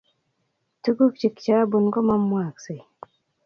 Tuguk chikchabun komamwaaksei